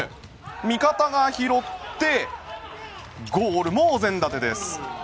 味方が拾ってゴールもお膳立てです。